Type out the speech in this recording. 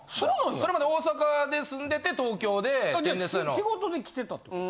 それまで大阪で住んでて東京で。じゃあ仕事で来てたってこと？